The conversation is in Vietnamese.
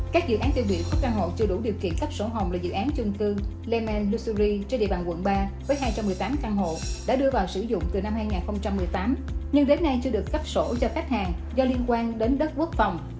các dự án tiêu biểu có căn hộ chưa đủ điều kiện cấp sổ hồng là dự án chung cư lênmen luxury trên địa bàn quận ba với hai trăm một mươi tám căn hộ đã đưa vào sử dụng từ năm hai nghìn một mươi tám nhưng đến nay chưa được cấp sổ cho khách hàng do liên quan đến đất quốc phòng